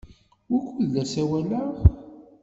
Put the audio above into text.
Wukud la ssawaleɣ?